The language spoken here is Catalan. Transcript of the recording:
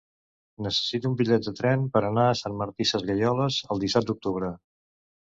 Necessito un bitllet de tren per anar a Sant Martí Sesgueioles el disset d'octubre.